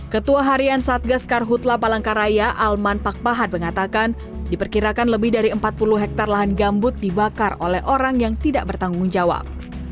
ketua harian satgas karhutla palangkaraya alman pakpahat mengatakan diperkirakan lebih dari empat puluh hektare lahan gambut dibakar oleh orang yang tidak bertanggung jawab